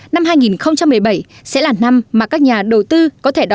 năm hai nghìn một mươi bảy sẽ là năm mà các nhà đầu tư có thể đạt được